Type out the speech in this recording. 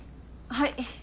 はい。